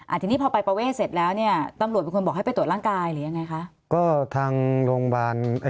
อ่าทีนี้พอไปปาเวศเสร็จแล้วเนี่ยตำรวจเป็นคนบอกให้ไปตรวจร่างกายหรือยังไงคะ